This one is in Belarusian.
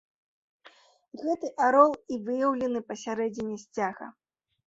Гэты арол і выяўлены пасярэдзіне сцяга.